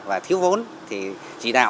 và thiếu vốn thì chỉ đạo